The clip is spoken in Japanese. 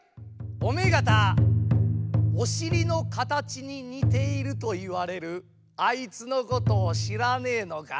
おめえがたおしりのかたちににているといわれるあいつのことをしらねえのかい？